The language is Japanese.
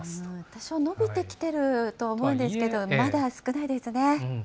多少、伸びてきてるとは思うんですけど、まだ少ないですね。